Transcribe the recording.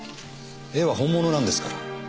絵は本物なんですから。